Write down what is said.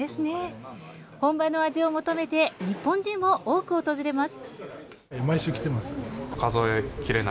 本場の味を求めて日本人も多く訪れます。